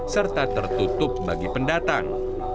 serta tertutup bagi pendatang